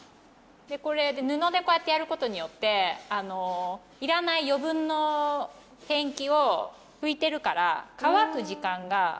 これ布でこうやってやることによっていらない余分のペンキを拭いてるから乾く時間が。